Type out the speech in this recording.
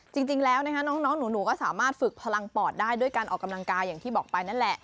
จริงแล้วนะคะน้องหนูก็สามารถฝึกพลังปอดได้ด้วยการออกกำลังกายอย่างที่บอกไปนั่นแหละ